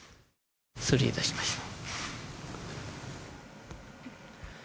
失礼いたしました。